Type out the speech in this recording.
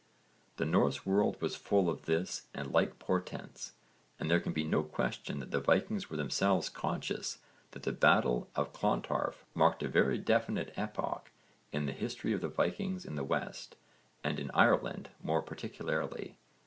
The Norse world was full of this and like portents and there can be no question that the Vikings were themselves conscious that the battle of Clontarf marked a very definite epoch in the history of the Vikings in the West and in Ireland more particularly.